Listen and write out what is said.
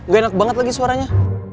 gak enak banget lagi suaranya